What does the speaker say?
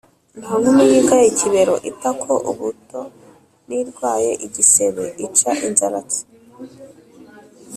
Nta nkumi yigaya ikibero (itako, ubuto), n’irwaye igisebe ica inzaratsi.